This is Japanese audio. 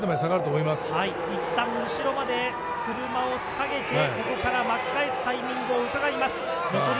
いったん、後ろまで車を下げて、ここから巻き返すタイミングをうかがいます。